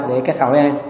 để các cậu ấy ăn